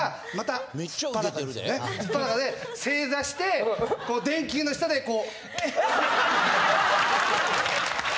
素っ裸で正座して電球の下でこう。